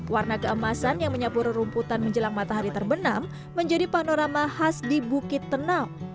warna keemasan yang menyapu rumputan menjelang matahari terbenam menjadi panorama khas di bukit tenau